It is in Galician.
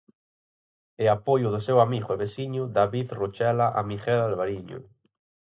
E apoio do seu amigo e veciño David Rochela a Miguel Alvariño.